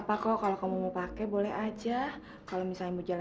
ah ini repot ini urusannya